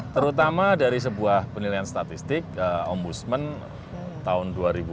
terutama dari sebuah penilaian statistik ombudsman tahun dua ribu empat belas